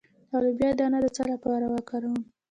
د لوبیا دانه د څه لپاره وکاروم؟